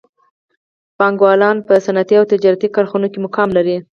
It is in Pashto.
بانکوالان په صنعتي او تجارتي کارخانو کې مقام لري